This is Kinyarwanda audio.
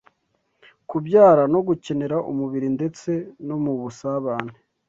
kubyara no gukenera umubiri ndetse no mubusabane